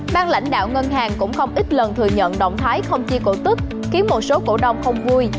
ban lãnh đạo ngân hàng cũng không ít lần thừa nhận động thái không chi cổ tức khiến một số cổ đông không vui